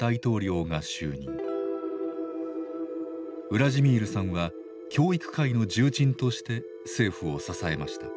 ウラジミールさんは教育界の重鎮として政府を支えました。